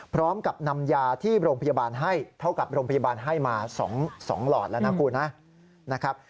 พร้อมกับนำยาที่โรงพยาบาลให้เท่ากับโรงพยาบาลให้มา๒หลอดแล้วนะคุณนะครับ